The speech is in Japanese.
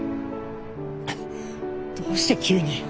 どうして急に。